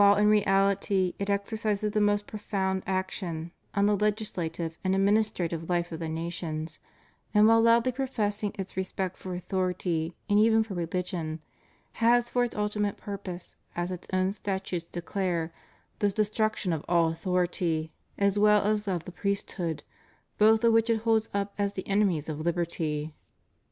573 in reality it exercises the most profound action on the legislative and administrative life of the nations, and while loudly professing its respect for authority and even for religion, has for its ultimate purpose, as its own statutes declare, the destruction of all authority as well as of the priesthood, both of which it holds up as the enemies of liberty.